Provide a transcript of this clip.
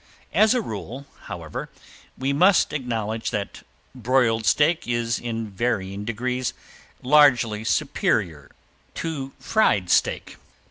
As a rule, however, we must acknowledge that broiled steak is in varying degrees largely superior to fried steak.